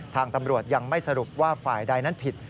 ทางตำรวจยังไม่สรุปว่าฝ่ายใดนั้นผิด